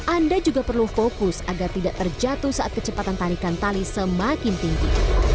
anda juga perlu fokus agar tidak terjatuh saat kecepatan tarikan tali semakin tinggi